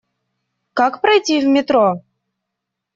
Как пройти в метро?